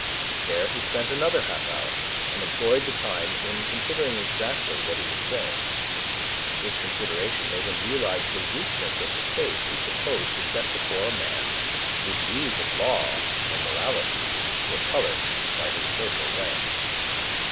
There he spent another half hour, and employed the time in considering exactly what he should say. This consideration made him realize the weakness of the case he proposed to set before a man whose views of law and morality were coloured by his social rank.